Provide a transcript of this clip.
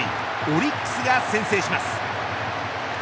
オリックスが先制します。